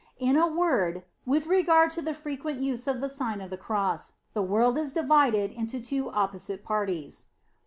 In a word, with regard to the frequent use of the Sign of the Cross, the world is divided into two opposite parties.